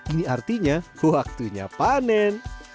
ini artinya waktunya panen